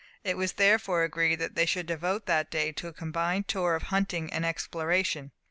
It was therefore agreed that they should devote that day to a combined tour of hunting and exploration.